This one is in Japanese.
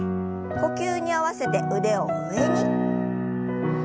呼吸に合わせて腕を上に。